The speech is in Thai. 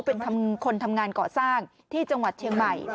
เป็นคนทำงานก่อสร้างที่จังหวัดเชียงใหม่